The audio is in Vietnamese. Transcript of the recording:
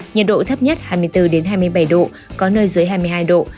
nhiệt độ thấp nhất hai mươi bốn hai mươi bảy độ có nơi dưới hai mươi hai độ